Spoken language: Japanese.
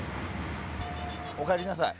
おかえりなさい。